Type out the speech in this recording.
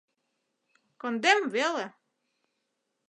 Кондем веле.